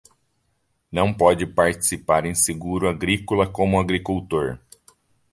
Não pode participar em seguro agrícola como agricultor